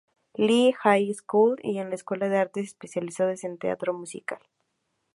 Lee High School y en la escuela de artes especializada en teatro musical.